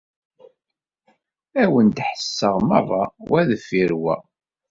Ad wen-d-ḥesseɣ merra, wa deffir wa.